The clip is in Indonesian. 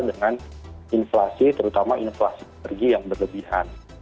dengan inflasi terutama inflasi energi yang berlebihan